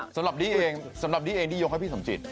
สำหรับดี้เองสำหรับดี้เองที่ยกให้พี่สมจิต